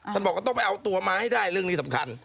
บอกว่าต้องไปเอาตัวมาให้ได้เรื่องนี้สำคัญ